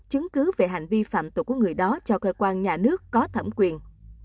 chứng cứ về hành vi phạm tội của người đó cho cơ quan nhà nước có thẩm quyền